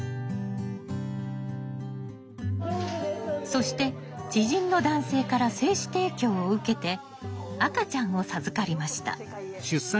そして知人の男性から精子提供を受けて赤ちゃんを授かりました。